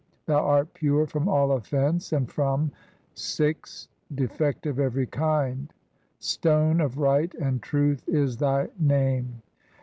Thou art pure "from all offence and from (6) defect of every kind ; '"Stone of Right and Truth' is thy name."